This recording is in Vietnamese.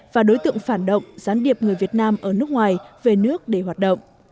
và đối tượng phản động gián điệp người việt nam ở nước ngoài về nước để hoạt động